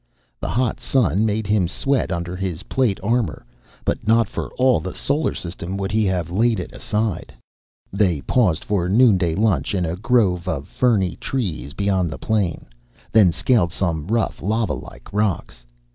The hot sun made him sweat under his plate armor, but not for all the Solar System would he have laid it aside. They paused for noonday lunch in a grove of ferny trees beyond the plain, then scaled some rough lava like rocks.